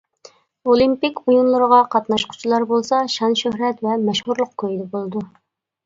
ئولىمپىك ئويۇنلىرىغا قاتناشقۇچىلار بولسا شان-شۆھرەت ۋە مەشھۇرلۇق كويىدا بولىدۇ.